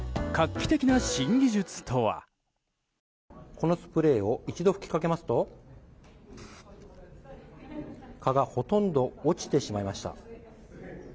このスプレーを一度、吹きかけますと蚊がほとんど落ちてしまいました。